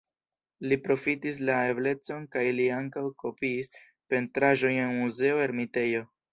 Li profitis la eblecon kaj li ankaŭ kopiis pentraĵojn en Muzeo Ermitejo.